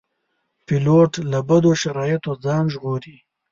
پیلوټ له بدو شرایطو ځان ژغوري.